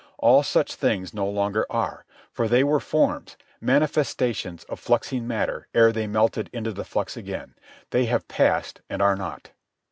All such things no longer are, for they were forms, manifestations of fluxing matter ere they melted into the flux again. They have passed and are not.